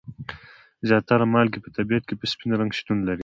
زیاتره مالګې په طبیعت کې په سپین رنګ شتون لري.